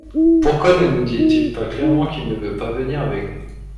Pourquoi ne nous dit-il pas clairement qu'il ne veut pas vnier avec nous ?